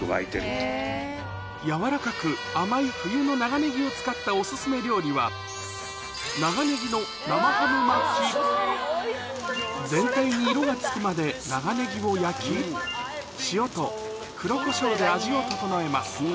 やわらかく甘い冬の長ネギを使ったお薦め料理は全体に色がつくまで長ネギを焼き塩と黒コショウで味を調えます